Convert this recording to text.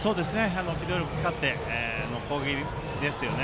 機動力を使っての攻撃ですよね。